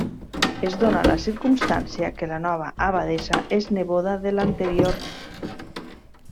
Es dóna la circumstància que la nova abadessa és neboda de l'anterior.